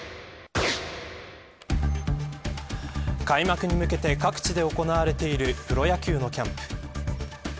開幕に向けて各地で行われているプロ野球のキャンプ。